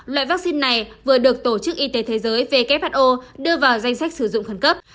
loại vaccine này vừa được tổ chức y tế thế giới who đưa vào danh sách sử dụng khẩn cấp